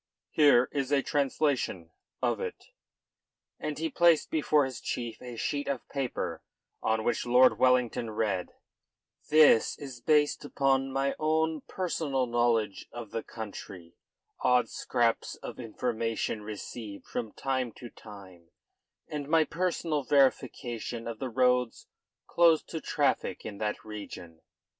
Here is a translation of it." And he placed before his chief a sheet of paper on which Lord Wellington read: "This is based upon my own personal knowledge of the country, odd scraps of information received from time to time, and my personal verification of the roads closed to traffic in that region.